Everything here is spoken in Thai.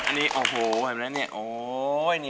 โหเห็นมั้ยเนี่ยโอ้ย